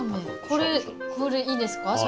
これいいですか？